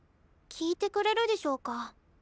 聞いてくれるでしょうか。